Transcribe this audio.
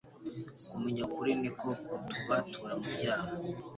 kumenya ukuri niko kutubatura mu byaha